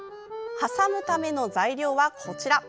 挟むための材料は、こちら。